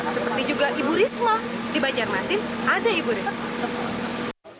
seperti juga ibu risma di banjarmasin ada ibu risma